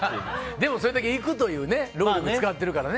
でも、それだけ行くという労力を使ってるからね。